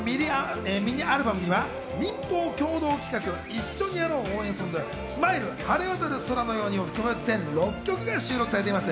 今回のミニアルバムには民放共同企画「一緒にやろう」応援ソング、『ＳＭＩＬＥ晴れ渡る空のように』を含む全６曲が収録されています。